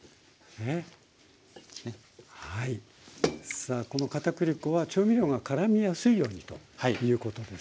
さあこの片栗粉は調味料がからみやすいようにということですよね？